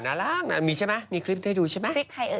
น่ารักนะมีใช่ไหมมีคลิปให้ดูใช่ไหม